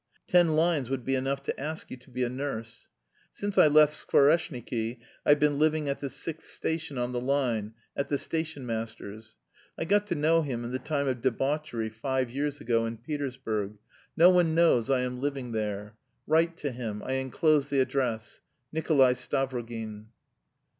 Ten lines would be enough to ask you to be a nurse. Since I left Skvoreshniki I've been living at the sixth station on the line, at the stationmaster's. I got to know him in the time of debauchery five years ago in Petersburg. No one knows I am living there. Write to him. I enclose the address. "Nikolay Stavrogin."